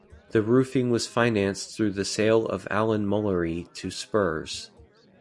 The roofing was financed through the sale of Alan Mullery to Spurs.